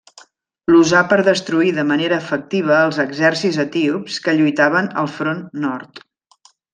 L'usà per destruir de manera efectiva als exèrcits etíops que lluitaven al front nord.